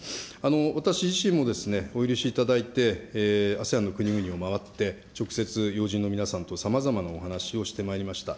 私自身もですね、お許しいただいてＡＳＥＡＮの国々を回って、直接要人の皆様とさまざまなお話をしてまいりました。